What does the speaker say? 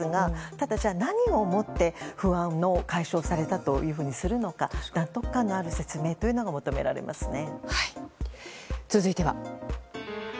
ただ、何をもって不安を解消されたとするのか納得感のある説明が求められますね。